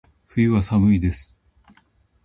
冬は、寒いです。